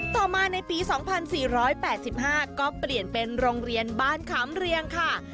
ต่อมาในปีสองพันสี่ร้อยแปดสิบห้าก็เปลี่ยนเป็นโรงเรียนบ้านขามเรียงค่ะ